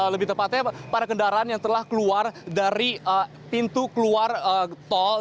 lebih tepatnya para kendaraan yang telah keluar dari pintu keluar tol